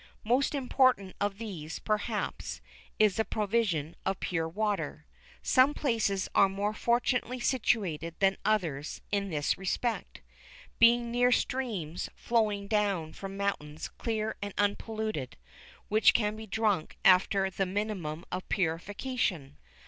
Most important of these, perhaps, is the provision of pure water. Some places are more fortunately situated than others in this respect, being near streams flowing down from mountains clear and unpolluted, which can be drunk after the minimum of purification.